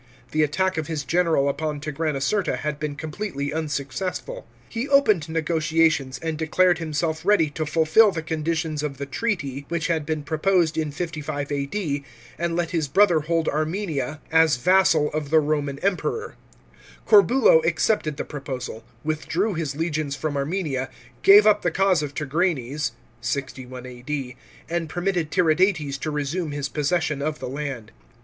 The attack of his general upon Tigranocerta had been completely unsuccessful. He opened negotiations, and declared himself ready ^to fulfil the conditions of the treaty which had been proposed in 55 A.D., and let his brother hold Armenia as vassal of the 61, 62 A.D. CORBULO ABANDONS ARMENIA. 317 Roman Emperor. Corbulo accepted the proposal, withdrew his iegions from Armenia, gave up the cause of Tigranes (61 A.D.), and permitted Tiridates to resume his possession of the land.